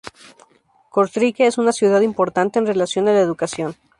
Cortrique es una ciudad importante en relación a la educación.